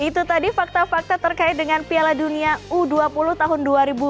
itu tadi fakta fakta terkait dengan piala dunia u dua puluh tahun dua ribu dua puluh